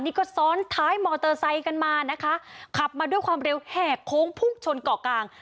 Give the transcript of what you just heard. นี่ก็ซ้อนท้ายมอเตอร์ไซค์กันมานะคะขับมาด้วยความเร็วแหกโค้งพุ่งชนเกาะกลาง